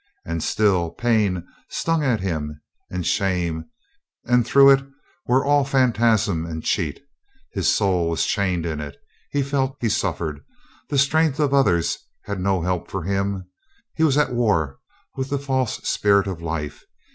... And still pain stung at him and shame and though it were all phantasm and cheat, his soul was chained in it. He felt. He suffered. The strength of others had no help for him. He was at war with the false spirit of life.